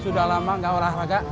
saya sudah lama gak olahraga